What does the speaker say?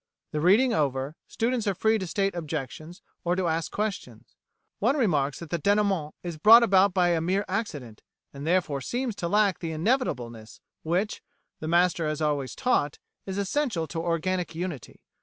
The reading over, students are free to state objections, or to ask questions. One remarks that the dénouement is brought about by a mere accident, and therefore seems to lack the inevitableness which, the master has always taught, is essential to organic unity.